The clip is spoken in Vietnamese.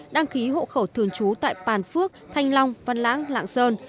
đăng ký hộ khẩu thường trú tại bàn phước thanh long văn lãng lạng sơn